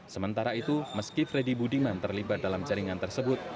sementara itu meski freddy budiman terlibat dalam jaringan tersebut